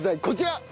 こちら。